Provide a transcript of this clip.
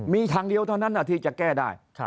มีทางเดียวเท่านั้นที่จะแก้ได้